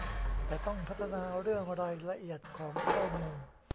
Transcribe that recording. แต่ต้องพัฒนาเรื่องรายละเอียดของข้อมูล